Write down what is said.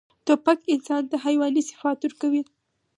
توپک انسان ته حیواني صفات ورکوي.